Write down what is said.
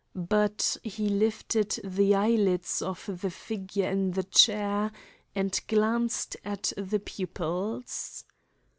But he lifted the eyelids of the figure in the chair and glanced at the pupils.